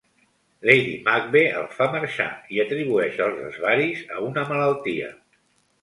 Lady Macbeth el fa marxar i atribueix els desvaris a una malaltia.